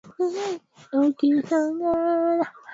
ku ku ku kupata usuluhisho